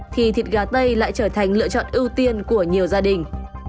thì thịt gà tây lại trở thành lựa chọn ưu tiên của nhiều gia đình